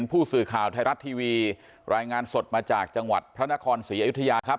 ผู้สื่อข่าวไทยรัฐทีวีรายงานสดมาจากจังหวัดพระนครศรีอยุธยาครับ